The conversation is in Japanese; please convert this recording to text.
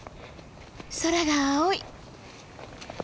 空が青い！